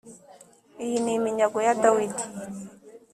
iyi ni iminyago ya Dawidi